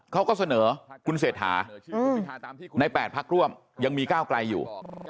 เขาก็เสนอคุณเศรษฐาใน๘พักร่วมยังมีก้าวไกลอยู่